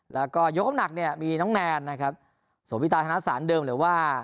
แล้วก็ยกน้ำหนักเนี่ยมีน้องแนนนะครับสวพิตาธนสารเดิมหรือว่า